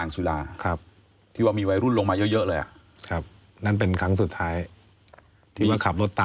สามแยกอ่างสุรา